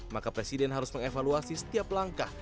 maka presiden harus mengevaluasi setiap langkah